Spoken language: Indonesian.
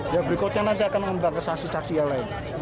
yang berikutnya nanti akan membangun ke saksi saksi yang lain